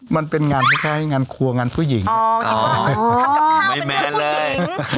มันเป็นงานไม่ใช่งานครัวงานผู้หญิงอ๋ออ๋อทำกับข้าวเป็นเรื่องผู้หญิงไม่แมนเลย